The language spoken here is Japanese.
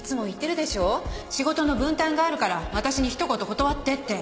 仕事の分担があるから私にひと言断ってって。